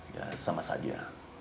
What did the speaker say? ya sama saja